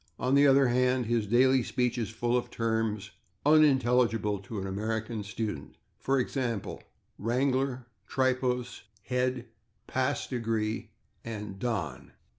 On the other hand his daily speech is full of terms unintelligible to an American student, for example, /wrangler/, /tripos/, /head/, /pass degree/ and /don